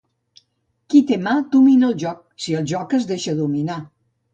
Qui té mà domina el joc, si el joc es deixa dominar.